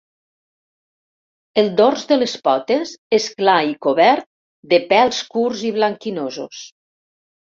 El dors de les potes és clar i cobert de pèls curts i blanquinosos.